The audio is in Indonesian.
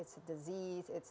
itu adalah penyakit